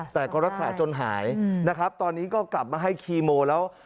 แต่ก็รักษาจนหายนะครับตอนนี้ก็กลับมาให้คีโมแล้ว